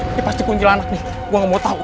ini pasti kunci lanak nih gue gak mau tau